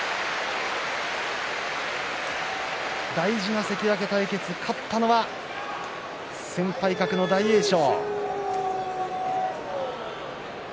大事な関脇対決勝ったのは先輩格の大栄翔。